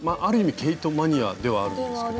毛糸マニアではあるんですけど。